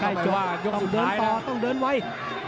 ใกล้ให้จบต้องเดินต่อต้องเดินไวค์